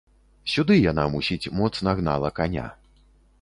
Сюды яна, мусіць, моцна гнала каня.